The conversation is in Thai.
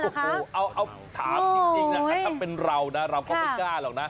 ถามจริงนะครับถ้าเป็นราวนะเราก็ไม่กล้าหรอกนะ